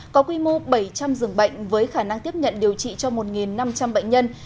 có quy mô bảy trăm linh dường bệnh với khả năng tiếp nhận điều trị cho một năm trăm linh bệnh nhân